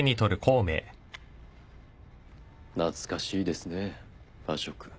懐かしいですねぇ馬謖。